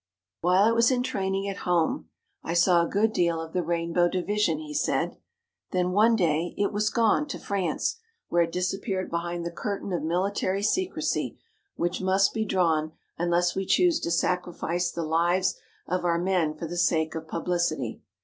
"While it was in training at home I saw a good deal of the Rainbow Division," he said "Then, one day, it was gone to France, where it disappeared behind the curtain of military secrecy which must be drawn unless we choose to sacrifice the lives of our men for the sake of publicity.